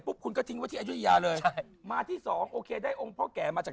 คุณก็ทิ้งไว้ที่อายุทยาเลยใช่มาที่สองโอเคได้องค์พ่อแก่มาจาก